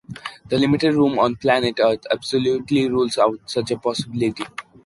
The limited room on planet Earth absolutely rules out such a possibility.